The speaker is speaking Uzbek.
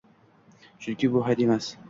Chunki bu hayot emas.